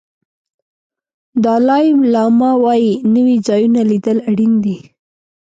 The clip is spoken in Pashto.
دالای لاما وایي نوي ځایونه لیدل اړین دي.